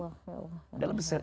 ya allah ya allah